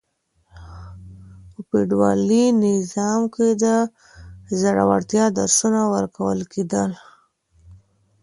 په فيوډالي نظام کي د زړورتيا درسونه ورکول کېدل.